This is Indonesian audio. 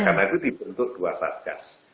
karena itu dibentuk dua sarkas